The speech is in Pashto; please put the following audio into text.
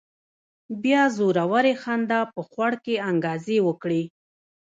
بيا زورورې خندا په خوړ کې انګازې وکړې.